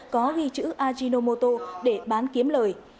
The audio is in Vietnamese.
có ghi chữ ajinomoto để bán kiếm lời